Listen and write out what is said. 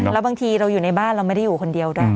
แล้วบางทีเราอยู่ในบ้านเราไม่ได้อยู่คนเดียวด้วย